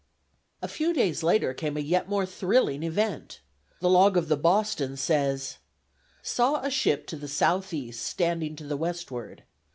A few days later came a yet more thrilling event. The log of the Boston says: "Saw a ship to the south east standing to the westward.